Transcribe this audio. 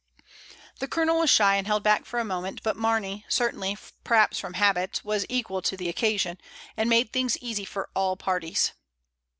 The Colonel was shy and held back for a mo ment, but Mamey certainly, perhaps from habit, was equal to the occasion, and made things easy for all parties.